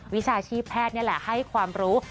วิชาชีพแพทย์นี่แหละให้ความรู้